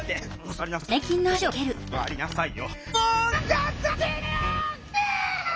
座りなさいよ。